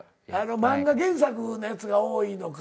漫画原作なやつが多いのか。